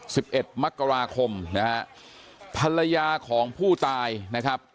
สิบเอ็ดมกราคมนะฮะภรรยาของผู้ตายนะครับ